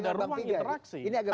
kalau bukan hanya negara